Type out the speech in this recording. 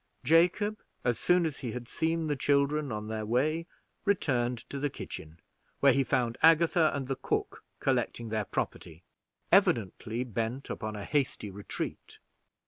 Jacob, as soon as he had seen the children on their way, returned to the kitchen, where he found Agatha and the cook collecting their property, evidently bent upon a hasty retreat.